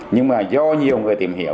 nhưng mà do nhiều người tìm hiểu